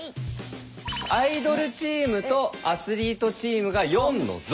アイドルチームとアスリートチームが４の「象」。